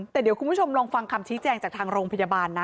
แต่เดี๋ยวคุณผู้ชมลองฟังคำชี้แจงจากทางโรงพยาบาลนะ